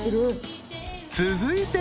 ［続いて］